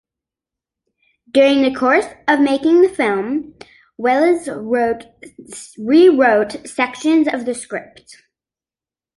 During the course of making the film, Welles rewrote sections of the script.